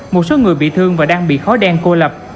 một số người bị thương và đang bị khói đen cô lập